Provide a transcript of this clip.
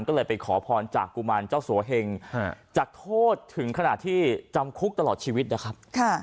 ก็เลยไปขอพรจากกุมารเจ้าสัวเหงจากโทษถึงขนาดที่จำคุกตลอดชีวิตนะครับ